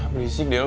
berisik deh lo